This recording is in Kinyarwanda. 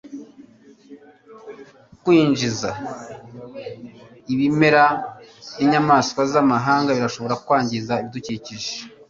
Kwinjiza ibimera ninyamaswa zamahanga birashobora kwangiza cyane ibidukikije